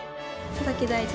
佐々木大地